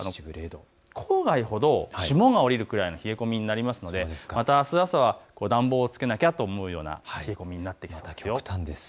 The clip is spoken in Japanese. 郊外ほど霜が降りるくらいの冷え込みになりますのであす朝は暖房をつけなきゃと思うような冷え込みになってきます。